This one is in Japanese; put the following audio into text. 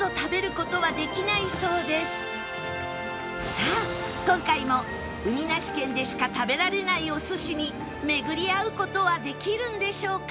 さあ今回も海なし県でしか食べられないお寿司に巡り会う事はできるんでしょうか？